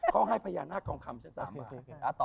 เขาให้พญานาคองคำ๓บาท